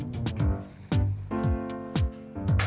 jagat banget jemur